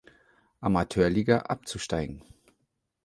Amateurliga abzusteigen.